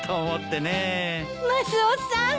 マスオさん！